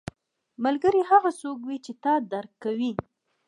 ملګری هغه څوک وي چې تا درک کوي